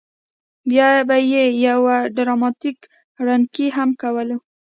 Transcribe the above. بیا به یې یو ډراماتیک رینګی هم کولو.